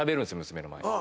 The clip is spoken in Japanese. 娘の前で。